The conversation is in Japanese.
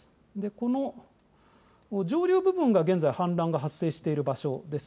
この上流部分が現在氾濫が発生している場所です。